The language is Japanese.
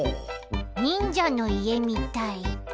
にんじゃのいえみたい。